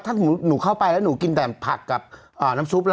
ถ้าหนูเข้าไปแล้วหนูกินแต่ผักกับน้ำซุปล่ะ